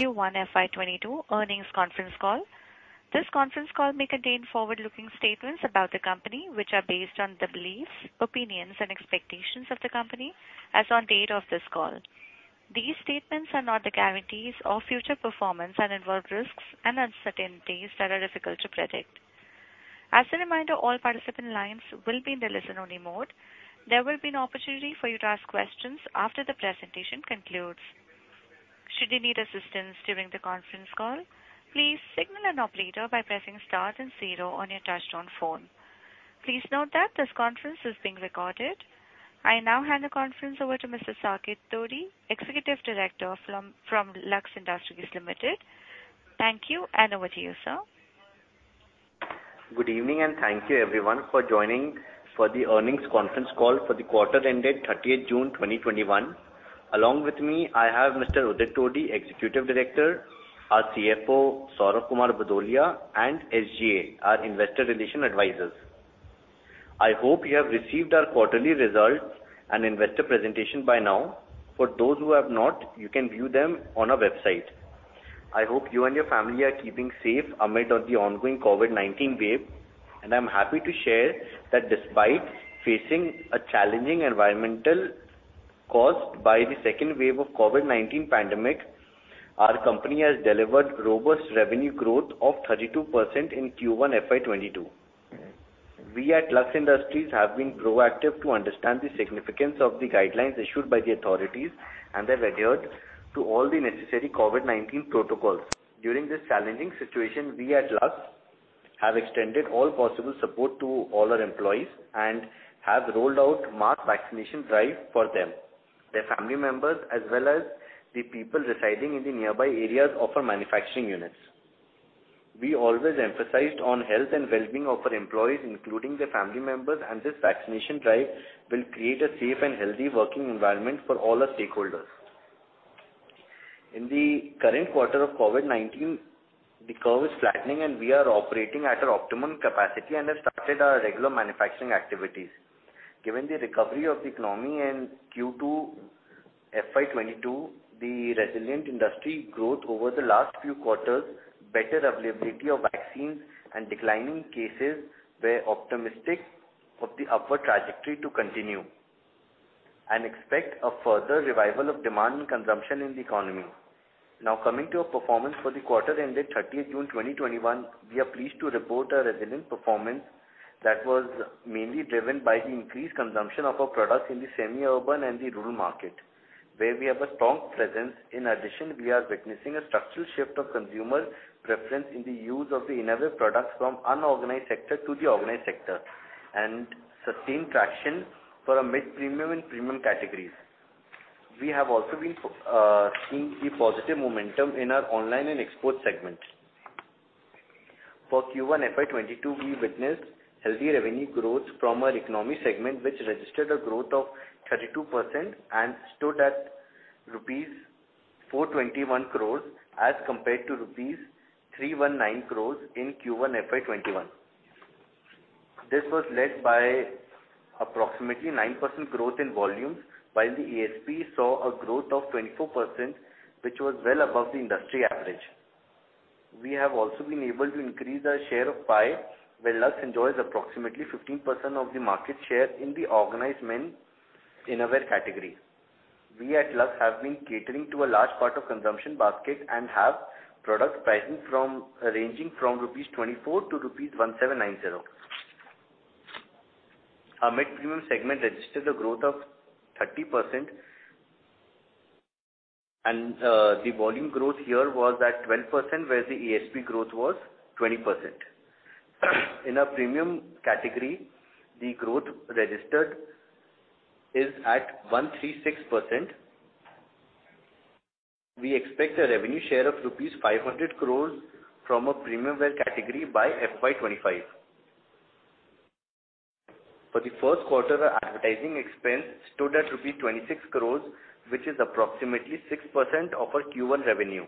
Q1 FY 2022 earnings conference call. This conference call may contain forward-looking statements about the company, which are based on the beliefs, opinions, and expectations of the company as on date of this call. These statements are not the guarantees of future performance and involve risks and uncertainties that are difficult to predict. As a reminder, all participant lines will be in the listen-only mode. There will be an opportunity for you to ask questions after the presentation concludes. Should you need assistance during the conference call, please signal an operator by pressing star and zero on your touchtone phone. Please note that this conference is being recorded. I now hand the conference over to Mr. Saket Todi, Executive Director from Lux Industries Limited. Thank you, over to you, sir. Good evening and thank you everyone for joining the earnings conference call for the quarter ended June 30th 2021. Along with me, I have Mr. Udit Todi, Executive Director, our CFO, Saurabh Kumar Bhudolia, and SGA, our investor relation advisors. I hope you have received our quarterly results and investor presentation by now. For those who have not, you can view them on our website. I hope you and your family are keeping safe amid the ongoing COVID-19 wave, and I'm happy to share that despite facing a challenging environment caused by the second wave of COVID-19 pandemic, our company has delivered robust revenue growth of 32% in Q1 FY 2022. We at Lux Industries have been proactive to understand the significance of the guidelines issued by the authorities and have adhered to all the necessary COVID-19 protocols. During this challenging situation, we at Lux have extended all possible support to all our employees and have rolled out mass vaccination drive for them, their family members, as well as the people residing in the nearby areas of our manufacturing units. We always emphasized on health and well-being of our employees, including their family members, and this vaccination drive will create a safe and healthy working environment for all our stakeholders. In the current quarter of COVID-19, the curve is flattening, and we are operating at our optimum capacity and have started our regular manufacturing activities. Given the recovery of the economy in Q2 FY 2022, the resilient industry growth over the last few quarters, better availability of vaccines, and declining cases, we're optimistic of the upward trajectory to continue and expect a further revival of demand and consumption in the economy. Now, coming to our performance for the quarter ended June 30th 2021, we are pleased to report a resilient performance that was mainly driven by the increased consumption of our products in the semi-urban and the rural market, where we have a strong presence. In addition, we are witnessing a structural shift of consumer preference in the use of the innerwear products from unorganized sector to the organized sector and sustained traction for our mid-premium and premium categories. We have also been seeing the positive momentum in our online and export segments. For Q1 FY 2022, we witnessed healthy revenue growth from our economy segment, which registered a growth of 32% and stood at rupees 421 crores as compared to rupees 319 crores in Q1 FY 2021. This was led by approximately 9% growth in volumes, while the ASP saw a growth of 24%, which was well above the industry average. We have also been able to increase our share of pie where Lux enjoys approximately 15% of the market share in the organized men innerwear category. We at Lux have been catering to a large part of consumption basket and have product pricing ranging from INR 24-INR 1,790. Our mid-premium segment registered a growth of 30%, and the volume growth here was at 12%, where the ASP growth was 20%. In our premium category, the growth registered is at 136%. We expect a revenue share of rupees 500 crore from our premium wear category by FY 2025. For the first quarter, our advertising expense stood at rupees 26 crore, which is approximately 6% of our Q1 revenue.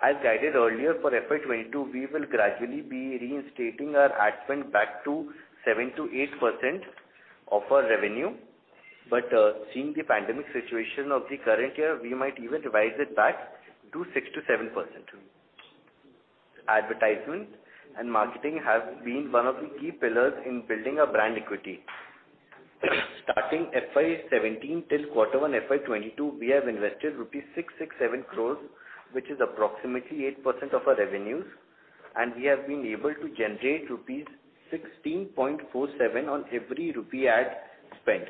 As guided earlier, for FY 2022, we will gradually be reinstating our ad spend back to 7%-8% of our revenue. Seeing the pandemic situation of the current year, we might even revise it back to 6%-7%. Advertisements and marketing have been one of the key pillars in building our brand equity. Starting FY 2017 till quarter one FY 2022, we have invested rupees 667 crores, which is approximately 8% of our revenues, and we have been able to generate rupees 16.47 on every rupee ad spent.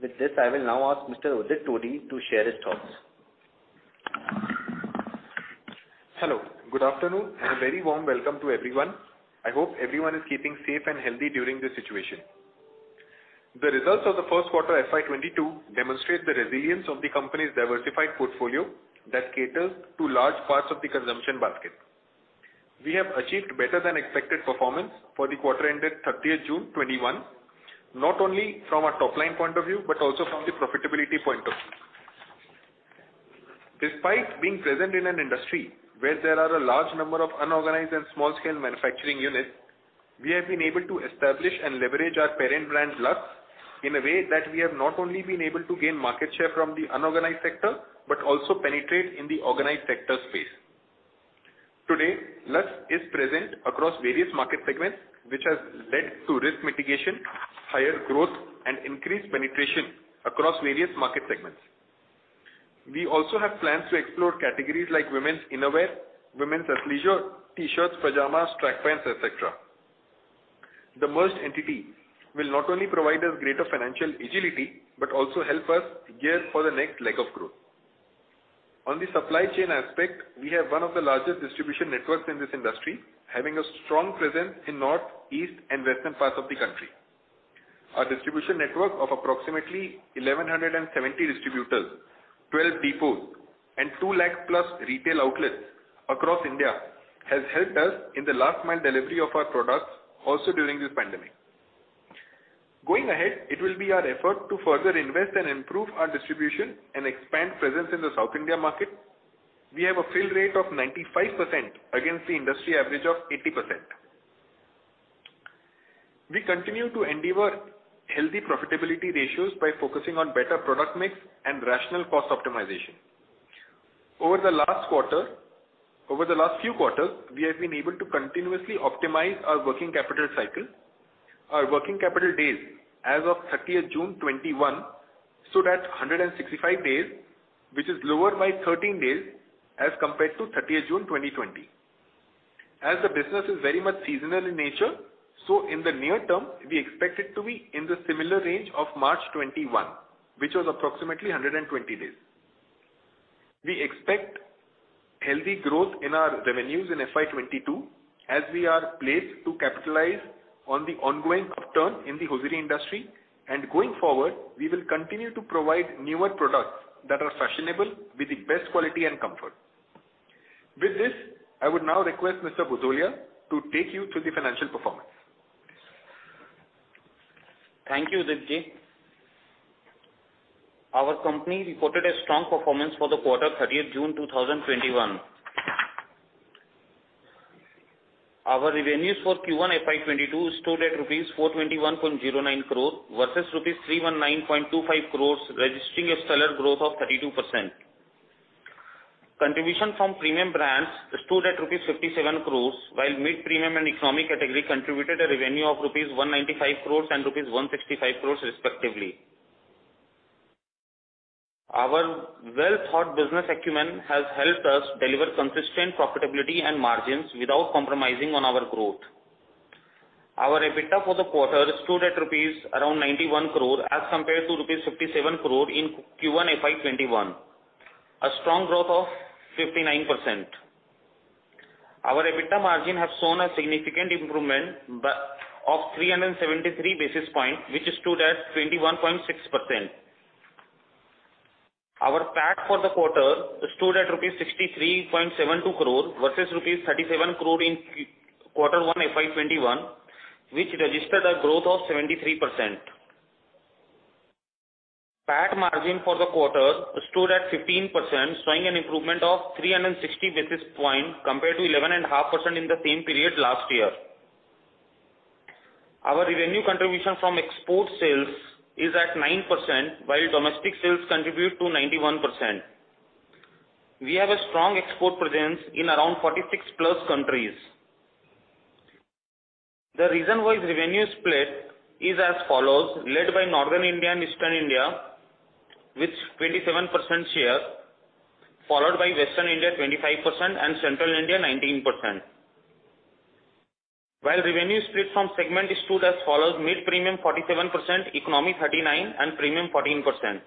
With this, I will now ask Mr. Udit Todi to share his thoughts. Hello, good afternoon, and a very warm welcome to everyone. I hope everyone is keeping safe and healthy during this situation. The results of the first quarter FY 2022 demonstrate the resilience of the company's diversified portfolio that caters to large parts of the consumption basket. We have achieved better than expected performance for the quarter ended June 30th 2021, not only from a top-line point of view, but also from the profitability point of view. Despite being present in an industry where there are a large number of unorganized and small-scale manufacturing units. We have been able to establish and leverage our parent brand, Lux, in a way that we have not only been able to gain market share from the unorganized sector, but also penetrate in the organized sector space. Today, Lux is present across various market segments, which has led to risk mitigation, higher growth, and increased penetration across various market segments. We also have plans to explore categories like women's innerwear, women's athleisure, T-shirts, pajamas, track pants, et cetera. The merged entity will not only provide us greater financial agility, but also help us gear for the next leg of growth. On the supply chain aspect, we have one of the largest distribution networks in this industry, having a strong presence in North, East, and western parts of the country. Our distribution network of approximately 1,170 distributors, 12 depots, and 200,000+ retail outlets across India has helped us in the last mile delivery of our products, also during this pandemic. Going ahead, it will be our effort to further invest and improve our distribution and expand presence in the South India market. We have a fill rate of 95% against the industry average of 80%. We continue to endeavor healthy profitability ratios by focusing on better product mix and rational cost optimization. Over the last few quarters, we have been able to continuously optimize our working capital cycle. Our working capital days as of June 30th 2021 stood at 165 days, which is lower by 13 days as compared to June 30th 2020. The business is very much seasonal in nature. In the near term, we expect it to be in the similar range of March 2021, which was approximately 120 days. We expect healthy growth in our revenues in FY 2022, as we are placed to capitalize on the ongoing upturn in the hosiery industry. Going forward, we will continue to provide newer products that are fashionable with the best quality and comfort. With this, I would now request Mr. Bhudolia to take you through the financial performance. Thank you, Udit Todi. Our company reported a strong performance for the quarter June 30, 2021. Our revenues for Q1 FY 2022 stood at 421.09 crores rupees versus 319.25 crores rupees, registering a stellar growth of 32%. Contribution from premium brands stood at rupees 57 crores while mid-premium and economy category contributed a revenue of rupees 195 crores and rupees 165 crores respectively. Our well-thought business acumen has helped us deliver consistent profitability and margins without compromising on our growth. Our EBITDA for the quarter stood at around 91 crore as compared to 57 crore rupees in Q1 FY 2021, a strong growth of 59%. Our EBITDA margin have shown a significant improvement of 373 basis points, which stood at 21.6%. Our PAT for the quarter stood at 63.72 crore rupees versus 37 crore rupees in quarter one FY 2021, which registered a growth of 73%. PAT margin for the quarter stood at 15%, showing an improvement of 360 basis point compared to 11.5% in the same period last year. Our revenue contribution from export sales is at 9%, while domestic sales contribute to 91%. We have a strong export presence in around 46+ countries. The regional revenue split is as follows: led by Northern India and Eastern India with 27% share, followed by Western India 25%, and Central India 19%. While revenue split from segment stood as follows: mid-premium 47%, economy 39%, and premium 14%.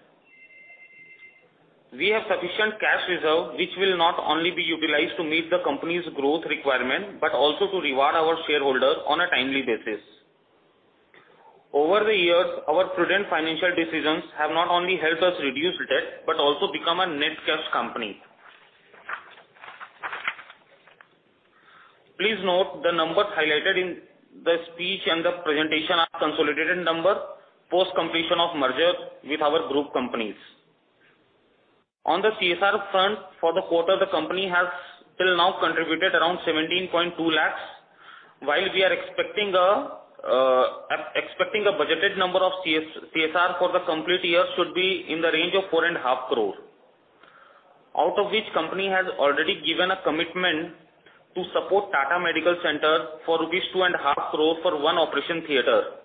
We have sufficient cash reserve, which will not only be utilized to meet the company's growth requirement, but also to reward our shareholder on a timely basis. Over the years, our prudent financial decisions have not only helped us reduce debt, but also become a net cash company. Please note the numbers highlighted in the speech and the presentation are consolidated number, post-completion of merger with our group companies. On the CSR front, for the quarter, the company has till now contributed around 17.2 lakhs while we are expecting a budgeted number of CSR for the complete year should be in the range of 4.5 crore. Out of which, company has already given a commitment to support Tata Medical Center for 2.5 crore rupees for one operation theater,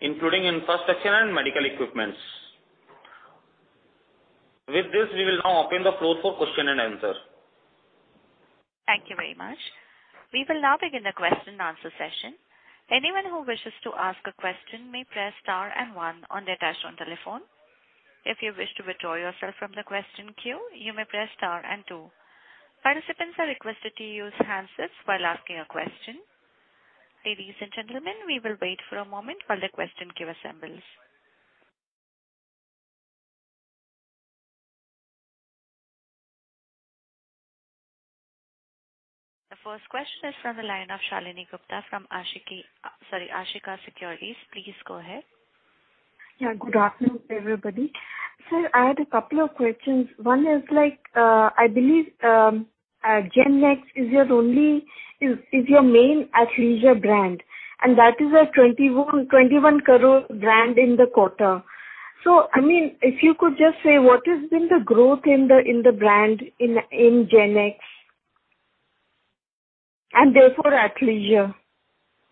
including infrastructure and medical equipments. With this, we will now open the floor for question-and-answer. Thank you very much. We will now begin the question and answer session. Anyone who wishes to ask a question may press star and one on their touch-tone telephone. If you wish to withdraw yourself from the question queue, you may press star and two. Participants are requested to use handsets while asking a question. Ladies and gentlemen, we will wait for a moment while the question queue assembles. The first question is from the line of Shalini Gupta from Ashika Securities. Please go ahead. Yeah. Good afternoon, everybody. Sir, I had a couple of questions. One is, I believe GenX is your main athleisure brand, and that is an 21 crore brand in the quarter. If you could just say, what has been the growth in the brand in GenX, and therefore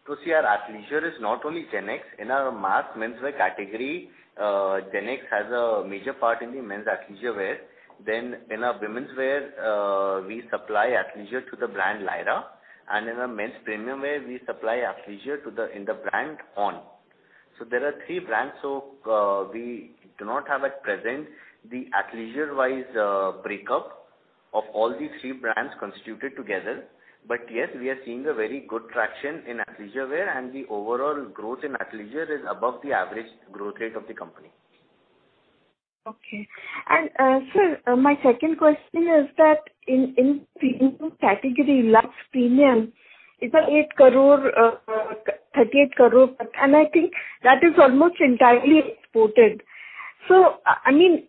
athleisure? See, our athleisure is not only GenX. In our mass menswear category, GenX has a major part in the men's athleisure wear. In our womenswear, we supply athleisure to the brand Lyra, and in our men's premium wear, we supply athleisure in the brand ONN. There are three brands. We do not have at present the athleisure-wise breakup of all the three brands constituted together. Yes, we are seeing a very good traction in athleisure wear, and the overall growth in athleisure is above the average growth rate of the company. Okay. Sir, my second question is that in premium category, Lux Premium is at 38 crore, and I think that is almost entirely exported.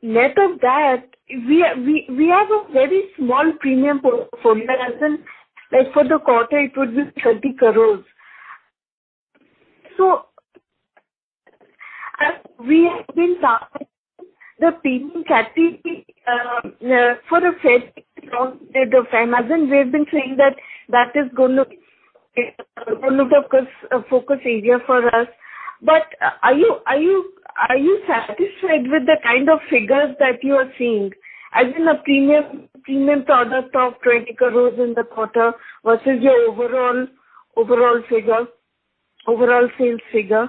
Net of that, we have a very small premium for the brand, and like for the quarter it would be 30 crore. As we have been targeting the premium category, we have been saying that is going to be a focus area for us, but are you satisfied with the kind of figures that you are seeing? As in a premium product of 20 crore in the quarter versus your overall sales figure?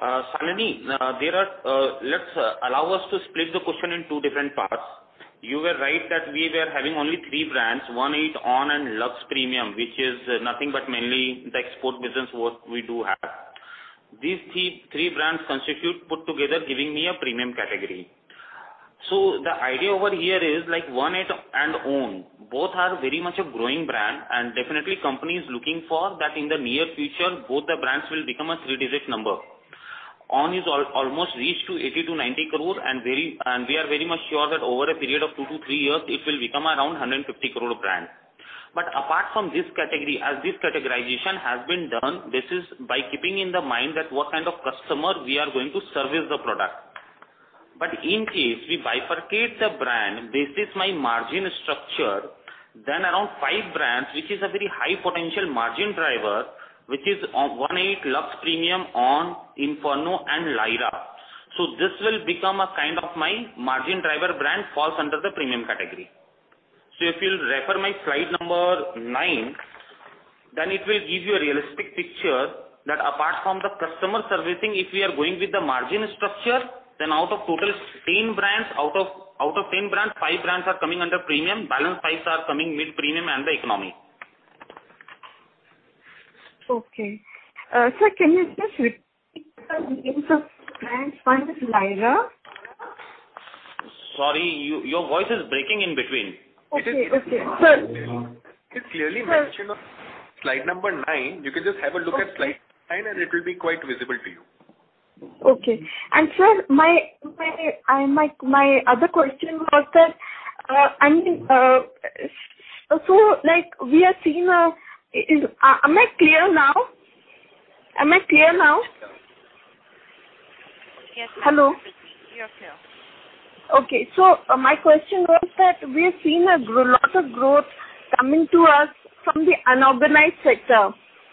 Shalini, let's allow us to split the question in two different parts. You were right that we were having only three brands, One8, ONN and Lux Premium, which is nothing but mainly the export business what we do have. These three brands constitute put together giving me a premium category. The idea over here is like One8 and ONN, both are very much a growing brand and definitely company is looking for that in the near future, both the brands will become a three-digit number. ONN is almost reached to 80 crore-90 crore and we are very much sure that over a period of two to three years it will become around 150 crore brand. Apart from this category, as this categorization has been done, this is by keeping in the mind that what kind of customer we are going to service the product. In case we bifurcate the brand, this is my margin structure, around five brands, which is a very high potential margin driver, which is One8, Lux Premium, ONN, Inferno and Lyra. This will become a kind of my margin driver brand falls under the premium category. If you'll refer my slide number nine, it will give you a realistic picture that apart from the customer servicing, if we are going with the margin structure, out of total 10 brands, five brands are coming under premium, balance five are coming mid-premium and the economy. Okay. Sir, can you just repeat the names of brands? One is Lyra. Sorry, your voice is breaking in between. Okay. It's clearly mentioned on slide number nine. You can just have a look at slide nine and it will be quite visible to you. Okay. Sir, my other question was that. Am I clear now? Hello. You're clear. Okay. My question was that we are seeing a lot of growth coming to us from the unorganized sector,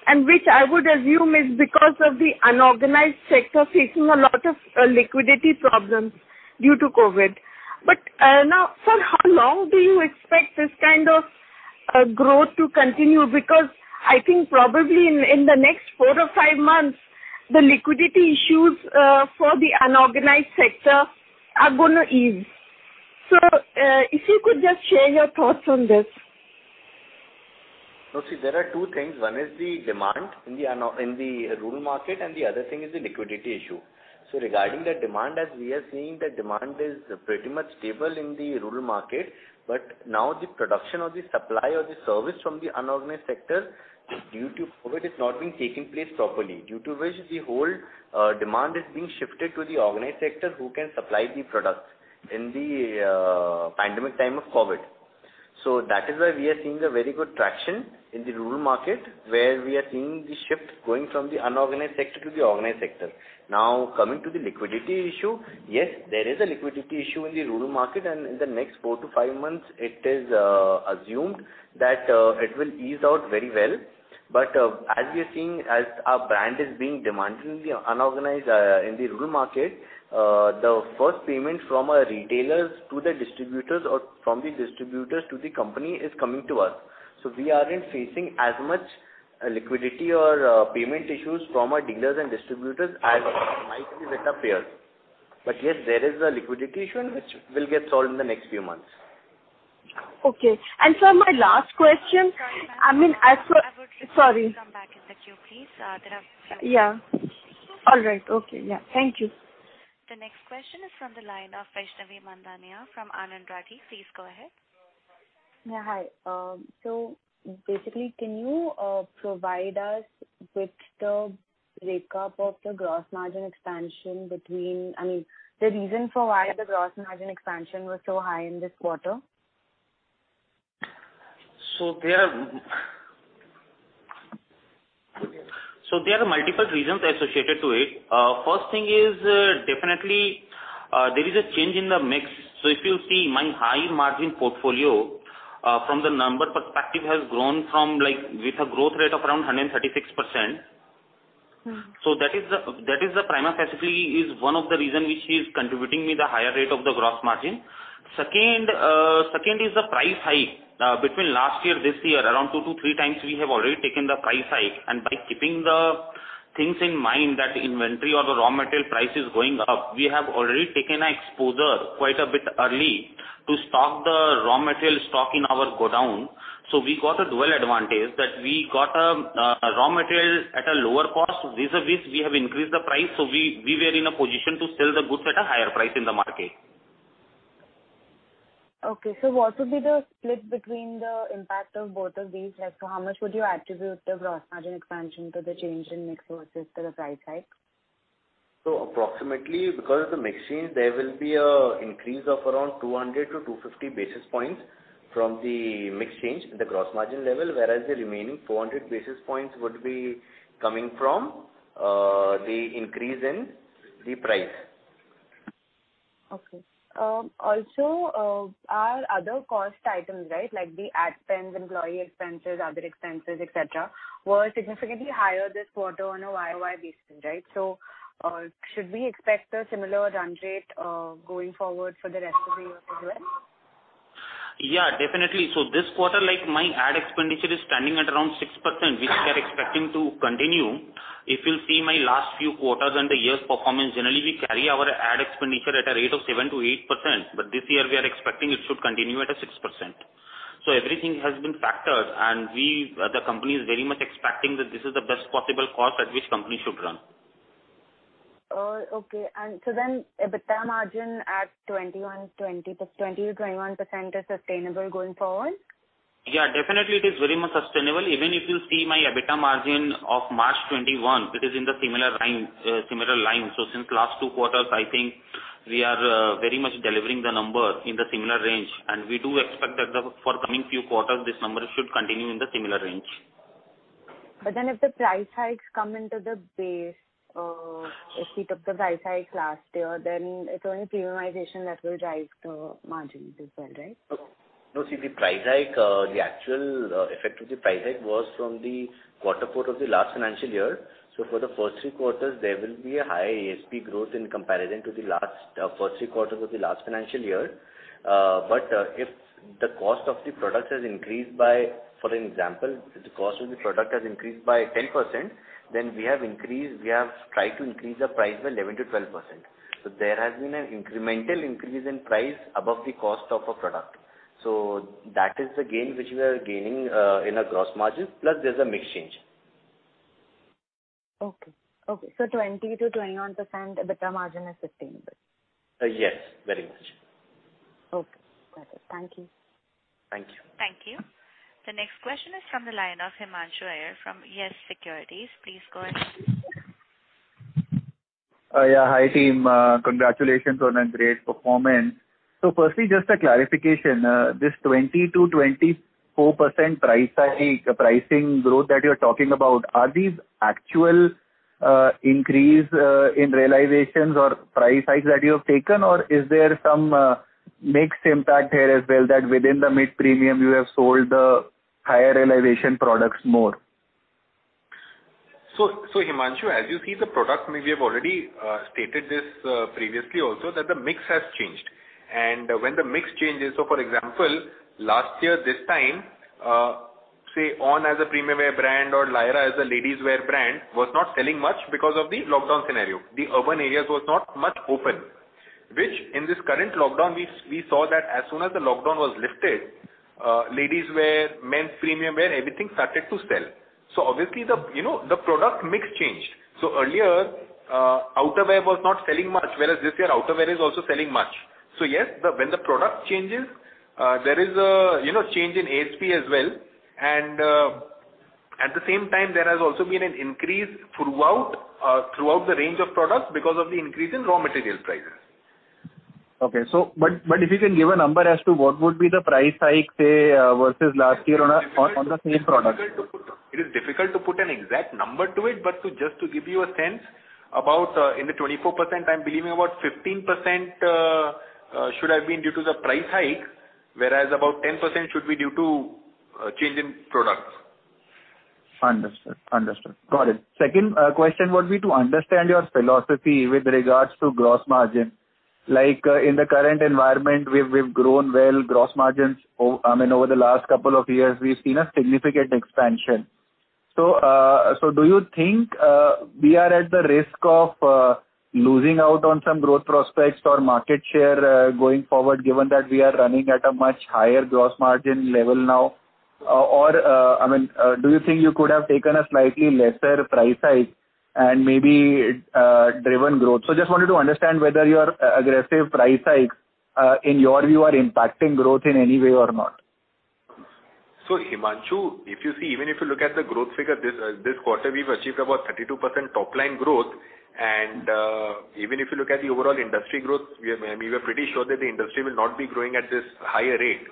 and which I would assume is because of the unorganized sector facing a lot of liquidity problems due to COVID. Now, sir, how long do you expect this kind of growth to continue? Because I think probably in the next four or five months, the liquidity issues for the unorganized sector are going to ease. If you could just share your thoughts on this. There are two things. One is the demand in the rural market, and the other thing is the liquidity issue. Regarding the demand, as we are seeing, the demand is pretty much stable in the rural market, but now the production or the supply or the service from the unorganized sector due to COVID, it's not been taking place properly. Due to which the whole demand is being shifted to the organized sector who can supply the product in the pandemic time of COVID. That is why we are seeing the very good traction in the rural market where we are seeing the shift going from the unorganized sector to the organized sector. Now coming to the liquidity issue, yes, there is a liquidity issue in the rural market, and in the next four to five months it is assumed that it will ease out very well. As we are seeing, as our brand is being demanded in the rural market, the first payment from our retailers to the distributors or from the distributors to the company is coming to us. We aren't facing as much liquidity or payment issues from our dealers and distributors as it might be with our peers. Yes, there is a liquidity issue which will get solved in the next few months. Okay. sir, my last question? Sorry, Shalini. Sorry. I would request you to come back in the queue, please. Yeah. All right. Okay. Yeah. Thank you. The next question is from the line of Vaishnavi Mandhaniya from Anand Rathi. Please go ahead. Yeah, hi. Basically, can you provide us with the breakup of the gross margin expansion between I mean, the reason for why the gross margin expansion was so high in this quarter? There are multiple reasons associated to it. First thing is, definitely, there is a change in the mix. If you see my high margin portfolio, from the number perspective, has grown with a growth rate of around 136%. That is the prima facie is one of the reason which is contributing me the higher rate of the gross margin. Second is the price hike. Between last year, this year, around two to three times we have already taken the price hike. By keeping the things in mind that inventory or the raw material price is going up, we have already taken exposure quite a bit early to stock the raw material stock in our godown. We got a dual advantage that we got a raw material at a lower cost, vis-a-vis we have increased the price, so we were in a position to sell the goods at a higher price in the market. Okay, what would be the split between the impact of both of these? Like how much would you attribute the gross margin expansion to the change in mix versus the price hike? Approximately, because of the mix change, there will be an increase of around 200 basis points-250 basis points from the mix change at the gross margin level, whereas the remaining 400 basis points would be coming from the increase in the price. Okay. Our other cost items, like the ad spends, employee expenses, other expenses, et cetera, were significantly higher this quarter on a YoY basis, right? Should we expect a similar run rate going forward for the rest of the year as well? Yeah, definitely. This quarter, my ad expenditure is standing at around 6%, which we are expecting to continue. If you see my last few quarters and the year's performance, generally, we carry our ad expenditure at a rate of 7%-8%, but this year we are expecting it should continue at a 6%. Everything has been factored and the company is very much expecting that this is the best possible cost at which company should run. Oh, okay. EBITDA margin at 20%-21% is sustainable going forward? Definitely it is very much sustainable. Even if you see my EBITDA margin of March 2021, it is in the similar line. Since last two quarters, I think we are very much delivering the number in the similar range, and we do expect that for coming few quarters, this number should continue in the similar range. If the price hikes come into the base, if we took the price hikes last year, then it's only premiumization that will drive the margin as well, right? No. See, the actual effect of the price hike was from the quarter four of the last financial year. For the first three quarters, there will be a high ASP growth in comparison to the first three quarters of the last financial year. If the cost of the product has increased by, for example, if the cost of the product has increased by 10%, then we have tried to increase the price by 11%-12%. There has been an incremental increase in price above the cost of a product. That is the gain which we are gaining in our gross margin, plus there's a mix change. Okay. 20%-21% EBITDA margin is sustainable? Yes, very much. Okay. Got it. Thank you. Thank you. Thank you. The next question is from the line of Himanshu Nayyar from YES SECURITIES. Please go ahead. Yeah. Hi, team. Congratulations on a great performance. Firstly, just a clarification. This 20%-24% pricing growth that you're talking about, are these actual increase in realizations or price hikes that you have taken, or is there some mix impact here as well that within the mid premium you have sold the higher realization products more? Himanshu, as you see the products, maybe you have already stated this previously also, that the mix has changed. When the mix changes, for example, last year this time, say ONN as a premium wear brand or Lyra as a ladies wear brand, was not selling much because of the lockdown scenario. The urban areas was not much open, which in this current lockdown, we saw that as soon as the lockdown was lifted, ladies wear, men's premium wear, everything started to sell. Obviously, the product mix changed. Earlier, outer wear was not selling much, whereas this year, outer wear is also selling much. Yes, when the product changes, there is a change in ASP as well. At the same time, there has also been an increase throughout the range of products because of the increase in raw material prices. Okay. If you can give a number as to what would be the price hike, say, versus last year on the same product. It is difficult to put an exact number to it, but just to give you a sense, in the 24%, I'm believing about 15% should have been due to the price hike, whereas about 10% should be due to change in products. Understood. Got it. Second question would be to understand your philosophy with regards to gross margin. Like in the current environment, we've grown well. Gross margins, over the last couple of years, we've seen a significant expansion. Do you think we are at the risk of losing out on some growth prospects or market share going forward, given that we are running at a much higher gross margin level now? Do you think you could have taken a slightly lesser price hike and maybe driven growth. Just wanted to understand whether your aggressive price hikes, in your view, are impacting growth in any way or not. Himanshu, if you see, even if you look at the growth figure this quarter, we've achieved about 32% top-line growth. Even if you look at the overall industry growth, we are pretty sure that the industry will not be growing at this higher rate.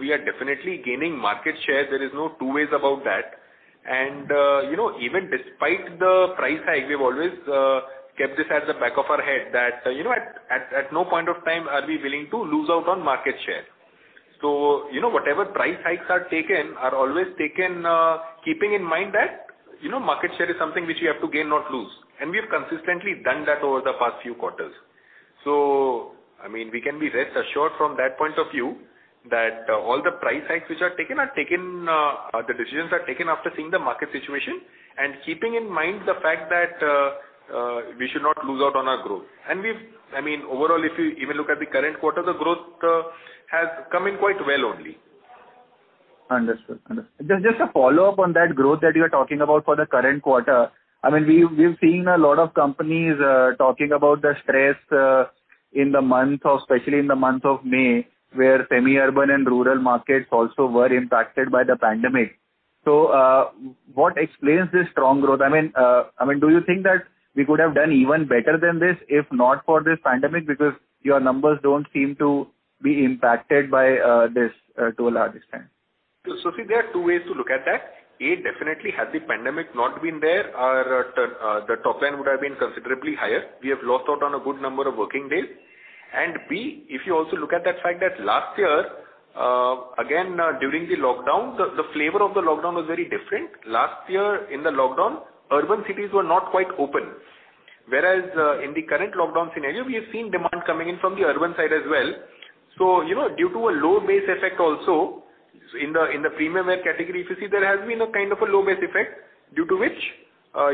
We are definitely gaining market share. There is no two ways about that. Even despite the price hike, we've always kept this at the back of our head that, at no point of time are we willing to lose out on market share. Whatever price hikes are taken, are always taken, keeping in mind that market share is something which you have to gain, not lose. We have consistently done that over the past few quarters. We can be rest assured from that point of view, that all the price hikes which are taken, the decisions are taken after seeing the market situation and keeping in mind the fact that we should not lose out on our growth. Overall, if you even look at the current quarter, the growth has come in quite well only. Understood. Just a follow-up on that growth that you're talking about for the current quarter. We've seen a lot of companies talking about the stress especially in the month of May, where semi-urban and rural markets also were impacted by the pandemic. What explains this strong growth? Do you think that we could have done even better than this if not for this pandemic? Your numbers don't seem to be impacted by this to a large extent. See, there are two ways to look at that. A, definitely had the pandemic not been there, the top line would have been considerably higher. We have lost out on a good number of working days. B, if you also look at that fact that last year, again, during the lockdown, the flavor of the lockdown was very different. Last year in the lockdown, urban cities were not quite open. Whereas, in the current lockdown scenario, we have seen demand coming in from the urban side as well. Due to a low base effect also in the premium wear category, if you see, there has been a kind of a low base effect due to which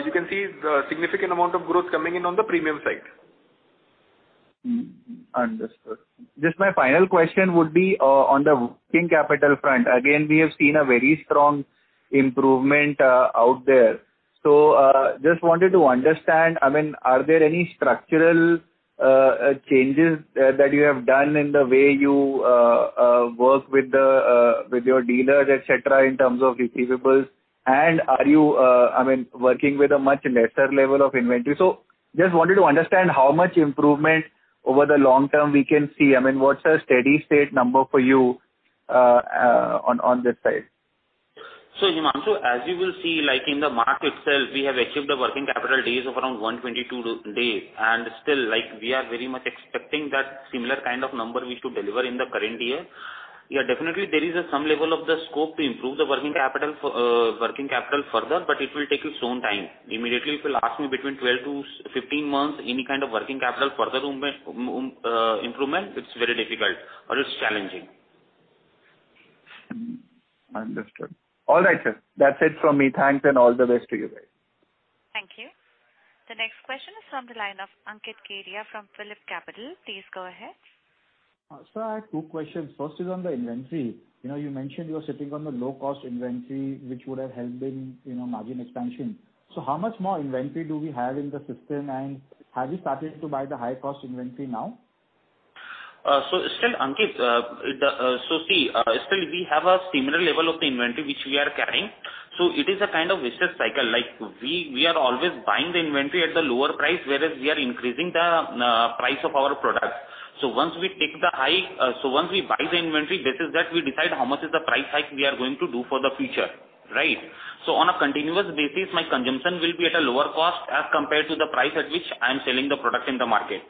you can see significant amount of growth coming in on the premium side. Understood. Just my final question would be on the working capital front. Again, we have seen a very strong improvement out there. Just wanted to understand, are there any structural changes that you have done in the way you work with your dealers, et cetera, in terms of receivables? Are you working with a much lesser level of inventory? Just wanted to understand how much improvement over the long term we can see. What's a steady state number for you on this side? Himanshu, as you will see, like in the market itself, we have achieved a working capital day of around 122 days, and still, we are very much expecting that similar kind of number we to deliver in the current year. Yeah, definitely there is some level of the scope to improve the working capital further, but it will take its own time. Immediately, if you'll ask me between 12-15 months, any kind of working capital further improvement, it's very difficult or it's challenging. Understood. All right, sir. That's it from me. Thanks. All the best to you guys. Thank you. The next question is from the line of Ankit Kedia from Phillip Capital. Please go ahead. Sir, I have two questions. First is on the inventory. You mentioned you're sitting on the low-cost inventory, which would have helped in margin expansion. How much more inventory do we have in the system, and have you started to buy the high-cost inventory now? Still, Ankit, see, still we have a similar level of inventory which we are carrying. It is a kind of vicious cycle. We are always buying the inventory at the lower price, whereas we are increasing the price of our products. Once we buy the inventory, this is that we decide how much is the price hike we are going to do for the future. Right? On a continuous basis, my consumption will be at a lower cost as compared to the price at which I am selling the product in the market.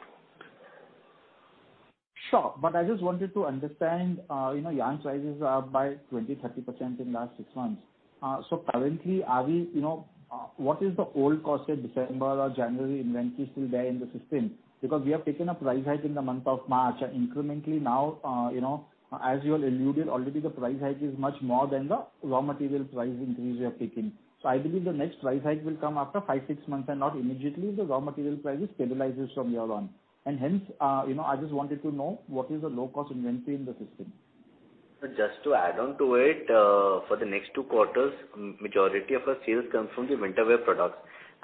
Sure. I just wanted to understand, yarn prices are up by 20%-30% in last six months. Currently, what is the old cost say December or January inventory still there in the system? We have taken a price hike in the month of March, and incrementally now, as you alluded already, the price hike is much more than the raw material price increase we are taking. I believe the next price hike will come after five to six months, and not immediately the raw material price will stabilize from here on. Hence, I just wanted to know what the low-cost inventory in the system is. Just to add on to it, for the next two quarters, majority of our sales comes from the winter wear products.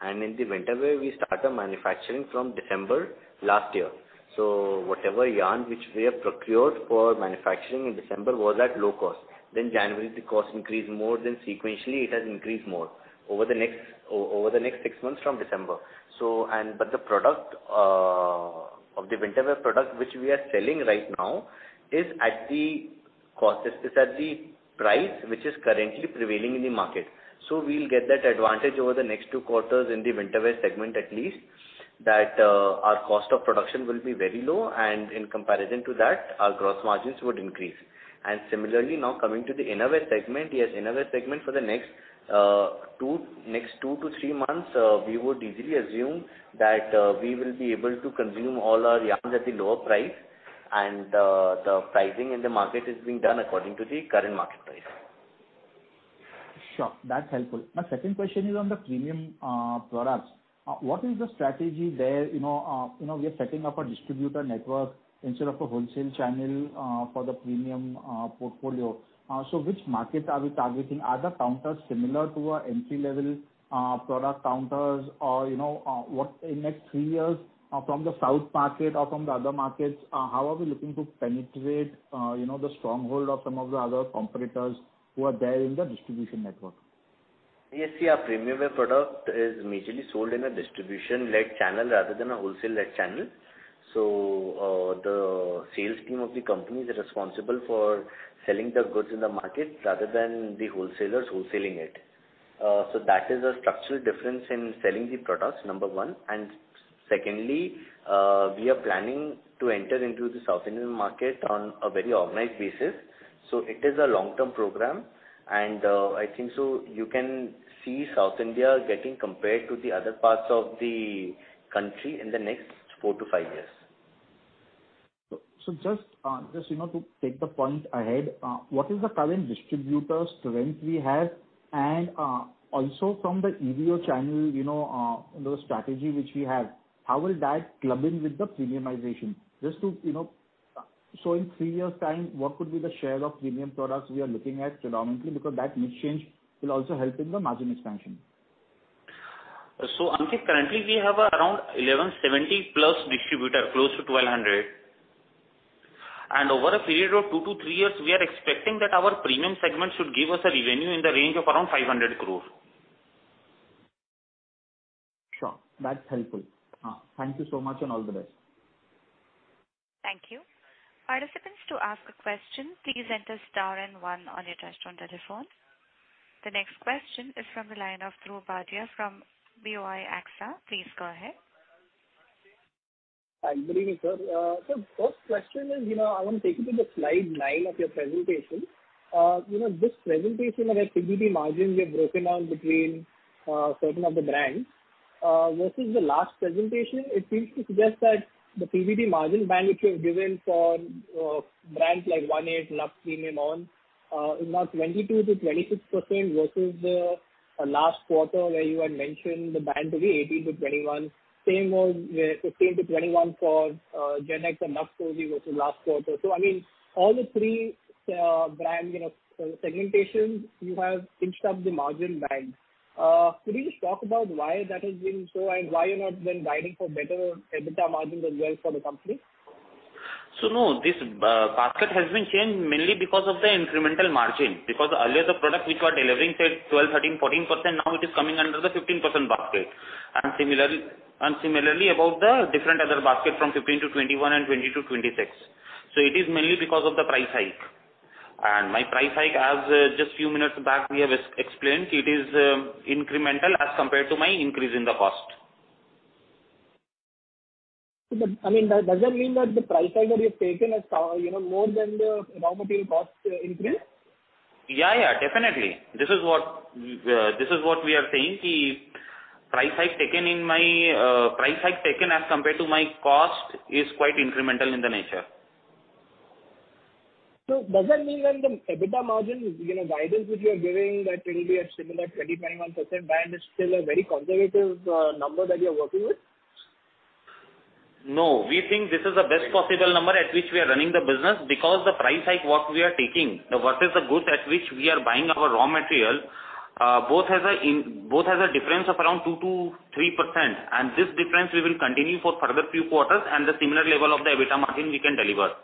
In the winter wear, we started manufacturing from December last year. Whatever yarn which we have procured for manufacturing in December was at low cost. January, the cost increased more, sequentially it has increased more over the next six months from December. The winter wear product which we are selling right now is at the price which is currently prevailing in the market. We'll get that advantage over the next two quarters in the winter wear segment at least, that our cost of production will be very low and in comparison, to that, our gross margins would increase. Similarly, now coming to the innerwear segment, yes, innerwear segment for the next two to three months, we would easily assume that we will be able to consume all our yarns at the lower price and the pricing in the market is being done according to the current market price. Sure. That's helpful. My second question is on the premium products. What is the strategy there? We are setting up a distributor network instead of a wholesale channel for the premium portfolio. Which markets are we targeting? Are the counters similar to our entry-level product counters or in next three years from the South market or from the other markets, how are we looking to penetrate the stronghold of some of the other competitors who are there in the distribution network? Yes. Our premium wear product is majorly sold in a distribution-led channel rather than a wholesale-led channel. The sales team of the company is responsible for selling the goods in the market rather than the wholesalers wholesaling it. That is a structural difference in selling the products, number one, and secondly, we are planning to enter into the South Indian market on a very organized basis. It is a long-term program, and I think so you can see South India getting compared to the other parts of the country in the next four to five years. Just to take the point ahead, what is the current distributors strength we have? Also, from the EBO channel, the strategy which we have, how will that club in with the premiumization? Just in three years' time, what could be the share of premium products we are looking at predominantly because that mix change will also help in the margin expansion. Ankit, currently we have around 1,170+ distributor, close to 1,200. Over a period of two to three years, we are expecting that our premium segment should give us a revenue in the range of around 500 crores. Sure. That's helpful. Thank you so much, and all the best. Thank you. Participants, to ask a question, please enter star and one on your touch-tone telephone. The next question is from the line of Dhruv Bhatia from BOI AXA. Please go ahead. Good evening, sir. First question is, I want to take you to the slide nine of your presentation. This presentation where PBT margin we have broken down between certain of the brands. Versus the last presentation, it seems to suggest that the PBT margin band which you have given for brands like One8 Lux Premium ONN is now 22%-26% versus the last quarter where you had mentioned the band to be 18%-21%. Same was 15%-21% for GenX and Lux Cozi versus last quarter. All the three brand segmentations you have inched up the margin band. Could you just talk about why that has been so, and why you're not then guiding for better EBITDA margins as well for the company? No, this basket has been changed mainly because of the incremental margin. Earlier the product which was delivering, say, 12%, 13%, 14%, now it is coming under the 15% basket. Similarly, above the different other basket from 15%-21% and 20%-26%. It is mainly because of the price hike. My price hike as just few minutes back we have explained, it is incremental as compared to my increase in the cost. Does that mean that the price hike that you have taken is more than the raw material cost increase? Yeah, definitely. This is what we are saying, the price hike taken as compared to my cost is quite incremental in the nature. Does that mean that the EBITDA margin guidance which you are giving that will be at similar 25.1% band is still a very conservative number that you're working with? No, we think this is the best possible number at which we are running the business because the price hike what we are taking versus the goods at which we are buying our raw material, both has a difference of around 2%-3%. This difference we will continue for further few quarters and the similar level of the EBITDA margin we can deliver.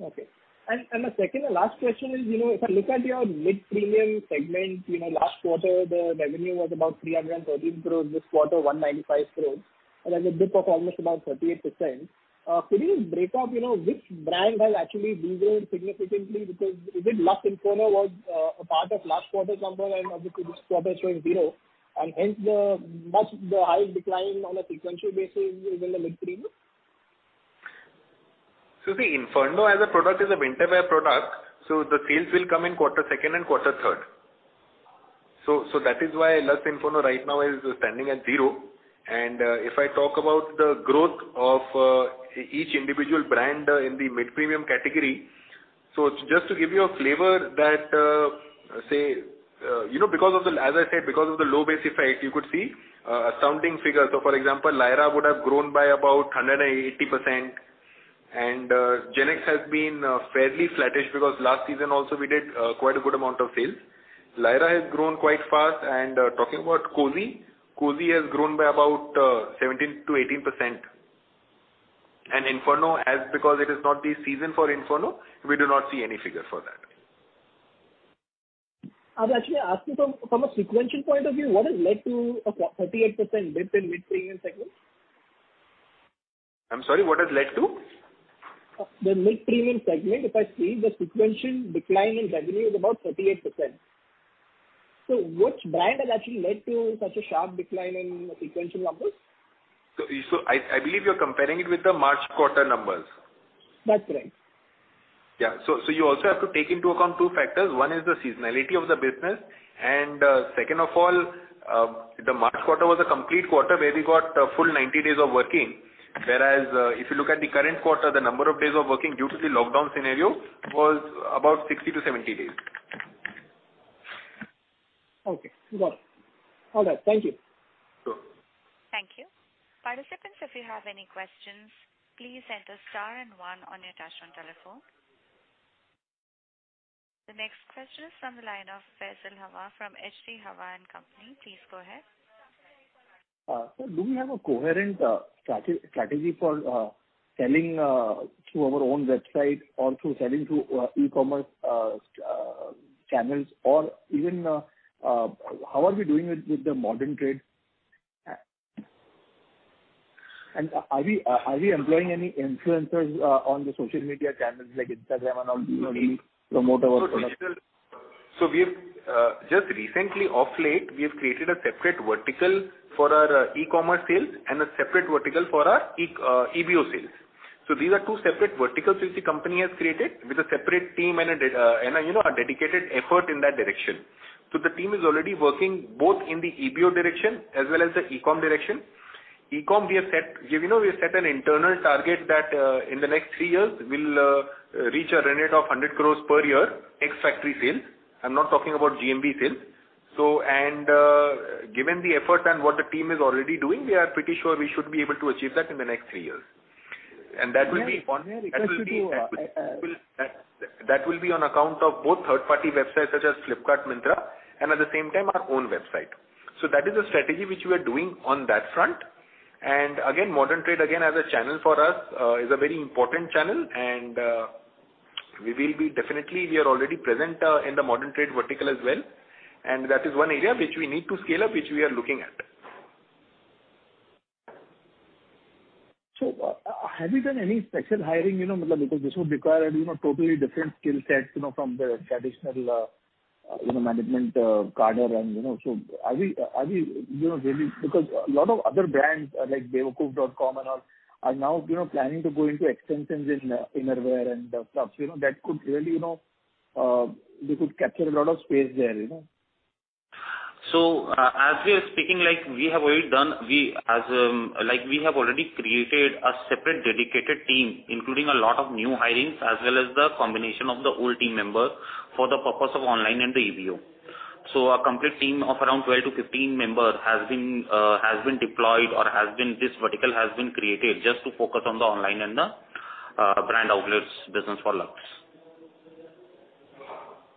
Okay. The second and last question is, if I look at your mid-premium segment, last quarter the revenue was about 313 crores, this quarter 195 crores. That's a dip of almost about 38%. Could you break up which brand has actually de-grown significantly, because even Lux Inferno was a part of last quarter's number, and obviously this quarter showing zero, and hence the much the high decline on a sequential basis is in the mid-premium? Inferno as a product is a winter wear product, the sales will come in quarter second and quarter third. That is why Lux Inferno right now is standing at zero, and if I talk about the growth of each individual brand in the mid-premium category, just to give you a flavor that, as I said, because of the low base effect, you could see astounding figures. For example, Lyra would have grown by about 180%, and GenX has been fairly flattish because last season also we did quite a good amount of sales. Lyra has grown quite fast, and talking about Cozi has grown by about 17%-18%. Inferno, as because it is not the season for Inferno, we do not see any figure for that. I was actually asking from a sequential point of view, what has led to a 38% dip in mid-premium segment? I'm sorry, what has led to? The mid-premium segment. If I see the sequential decline in revenue is about 38%. Which brand has actually led to such a sharp decline in sequential numbers? I believe you're comparing it with the March quarter numbers. That's right. Yeah. You also have to take into account two factors. One is the seasonality of the business, and second of all, the March quarter was a complete quarter where we got full 90 days of working. Whereas, if you look at the current quarter, the number of days of working due to the lockdown scenario was about 60-70 days. Okay, got it. All right. Thank you. Sure. Thank you. Participants, if you have any questions, please enter star and one on your touch-tone telephone. The next question is from the line of Faisal Hawa from H.G. Hawa & Company. Please go ahead. Sir, do you have a coherent strategy for selling through our own website or through selling through e-commerce channels? Even, how are we doing with the modern trade? Are we employing any influencers on the social media channels like Instagram and all to promote our products? We have just recently, of late, we have created a separate vertical for our e-commerce sales and a separate vertical for our EBO sales. These are two separate verticals which the company has created with a separate team and our dedicated effort in that direction. The team is already working both in the EBO direction as well as the e-com direction. E-com, we have set an internal target that in the next three years we'll reach a revenue of 100 crores per year ex-factory sales. I'm not talking about GMV sales. Given the effort and what the team is already doing, we are pretty sure we should be able to achieve that in the next three years. That will be on account of both third-party websites such as Flipkart, Myntra, and at the same time, our own website. That is a strategy which we are doing on that front. Modern trade, as a channel for us, is a very important channel and we are already present in the modern trade vertical as well. That is one area which we need to scale up, which we are looking at. Have you done any special hiring? This would require a totally different skill set from the traditional management cadre. A lot of other brands like Bewakoof.com and all are now planning to go into extensions in innerwear and stuff. They could capture a lot of space there. As we are speaking, we have already created a separate dedicated team, including a lot of new hirings as well as the combination of the old team member for the purpose of online and the EBO. A complete team of around 12-15 members has been deployed or this vertical has been created just to focus on the online and the brand outlets business for Lux.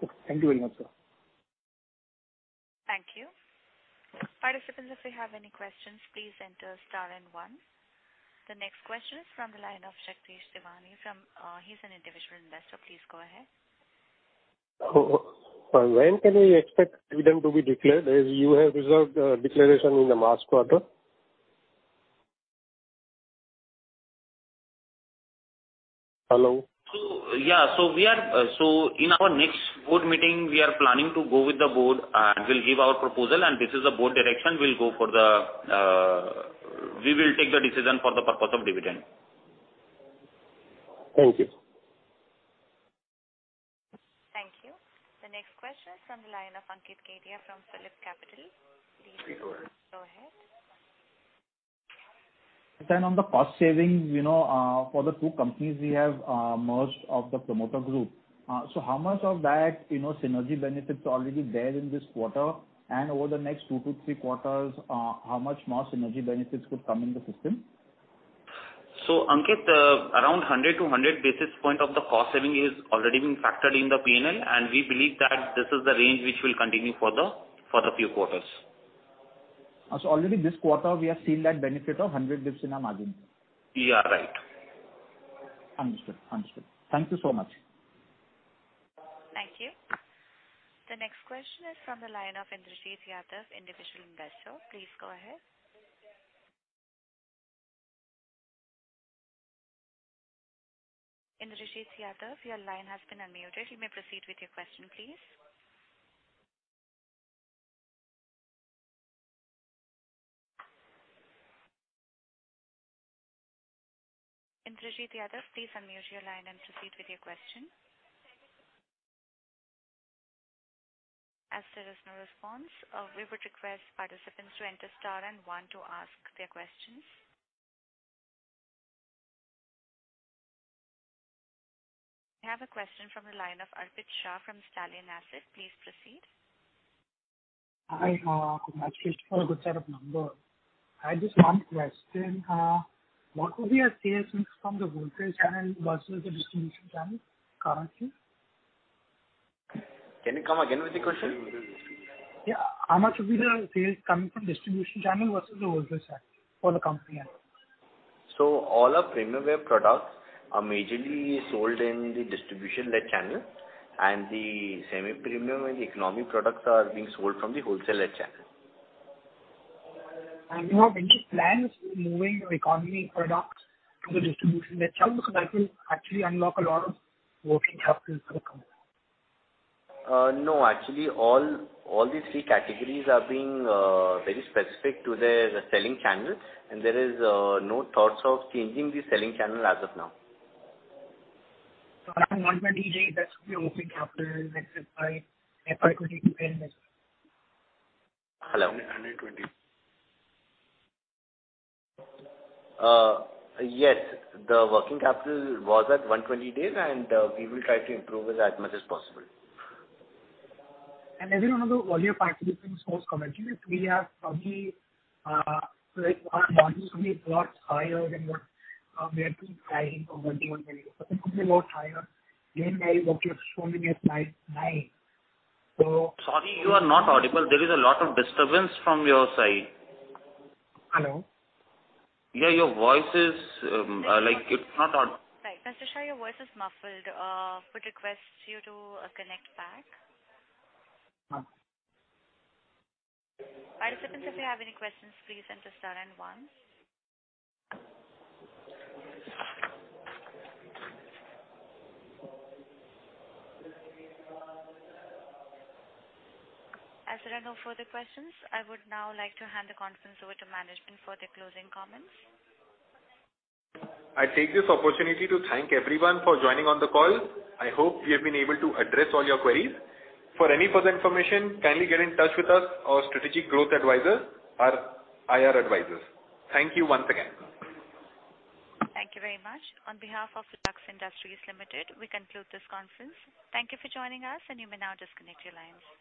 Okay. Thank you very much, sir. Thank you. Participants, if you have any questions, please enter star and one. The next question is from the line of [Saktheesh Devan] from, he's an individual investor. Please go ahead. Sir, when can we expect dividend to be declared, as you have reserved declaration in the March quarter? Hello? In our next board meeting, we are planning to go with the board and we'll give our proposal. This is the board direction we will take the decision for the purpose of dividend. Thank you. Thank you. The next question is from the line of Ankit Kedia from Phillip Capital. Please go ahead. Sir, on the cost saving, for the two companies we have merged of the promoter group. How much of that synergy benefits are already there in this quarter? Over the next two-three quarters, how much more synergy benefits could come in the system? Ankit, around 100 basis points-100 basis points of the cost saving have already been factored in the P&L, and we believe that this is the range which will continue for the few quarters. Already this quarter, we have seen that benefit of 100 basis points in our margin. Yeah, right. Understood. Thank you so much. Thank you. The next question is from the line of Indrajeet Yadav, individual investor. Please go ahead. Indrajeet Yadav, your line has been unmuted. You may proceed with your question, please. Indrajeet Yadav, please unmute your line and proceed your question. As there is no response, we would request participants to enter star and one to ask their questions. I have a question from the line of Arpit Shah from Stallion Asset. Please proceed. Hi. Congratulations for a good set of numbers. I have just one question. What would be your sales mix from the wholesale channel versus the distribution channel currently? Can you come again with the question? How much would be the sales coming from distribution channel versus the wholesale side for the company? All our premium wear products are majorly sold in the distribution-led channel, and the semi-premium and the economy products are being sold from the wholesale-led channel. Do you have any plans to be moving your economy products to the distribution channel? That will actually unlock a lot of working capital for the company. No, actually, all these three categories are being very specific to their selling channels, and there is no thoughts of changing the selling channel as of now. Around 120 days that should be working capital by FY 2022 end as well. Hello? 120. Yes. The working capital was at 120 days, and we will try to improve it as much as possible. As one of the earlier participants was commenting, margins will be a lot higher than what we are too high in 2021. It could be a lot higher than what you have shown in your slide nine. Sorry, you are not audible. There is a lot of disturbance from your side. Hello? Yeah, your voice is like it's not aud- Right. Mr. Shah, your voice is muffled. Would request you to connect back. Okay. Participants, if you have any questions, please enter star and one. As there are no further questions, I would now like to hand the conference over to management for their closing comments. I take this opportunity to thank everyone for joining on the call. I hope we have been able to address all your queries. For any further information, kindly get in touch with us or Strategic Growth Advisors, our IR advisors. Thank you once again. Thank you very much. On behalf of Lux Industries Limited, we conclude this conference. Thank you for joining us, and you may now disconnect your lines.